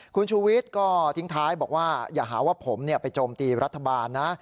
คุณชูวิทย์ก็ทิ้งท้ายบอกว่าอย่าหาว่าผมไปโจมตีรัฐบาลนะ